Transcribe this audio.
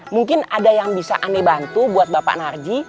mungkin ada yang bisa anda bantu buat bapak narji